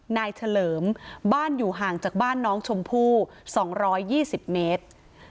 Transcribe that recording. เฉลิมบ้านอยู่ห่างจากบ้านน้องชมพู่๒๒๐เมตร